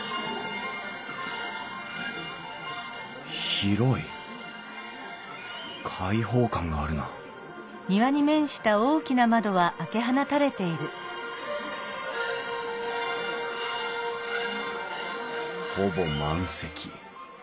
広い開放感があるなほぼ満席。